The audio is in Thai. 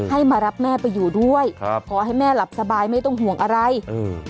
ให้มารับแม่ไปอยู่ด้วยครับขอให้แม่หลับสบายไม่ต้องห่วงอะไรเออ